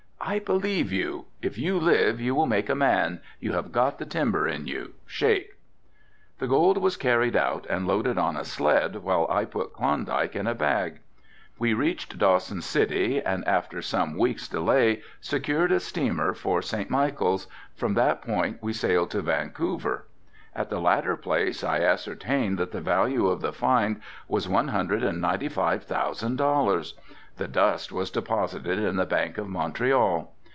"I believe you, if you live you will make a man, you have got the timber in you, shake." The gold was carried out and loaded on a sled while I put Klondike in a bag. We reached Dawson City and after some weeks delay secured a steamer for St. Michael's, from that point we sailed to Vancouver. At the latter place I ascertained that the value of the find was one hundred and ninety five thousand dollars. The dust was deposited in the Bank of Montreal.